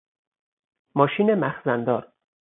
ماشین مخزن دار